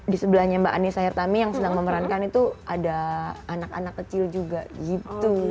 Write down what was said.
di sebelahnya mbak anissa hertami yang sedang memerankan itu ada anak anak kecil juga gitu